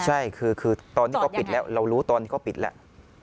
ใช่คือตอนนี้เขาปิดแล้วเรารู้ตอนนี้เขาปิดแล้ว